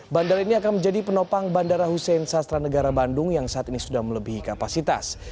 bandara ini akan menjadi penopang bandara hussein sastra negara bandung yang saat ini sudah melebihi kapasitas